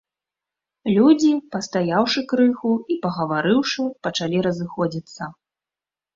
Людзі, пастаяўшы крыху і пагаварыўшы, пачалі разыходзіцца.